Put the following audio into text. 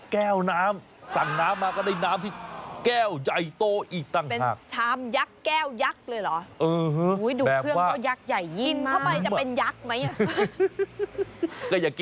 แก้วน้ำสั่งน้ำมาก็ได้น้ำที่แก้วใหญ่โตอีกต่างหาก